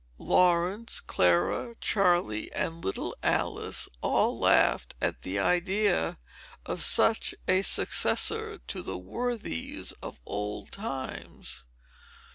Laurence, Clara, Charley, and little Alice, all laughed at the idea of such a successor to the worthies of old times.